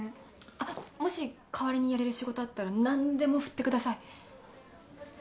あっもし代わりにやれる仕事あったら何でも振ってください。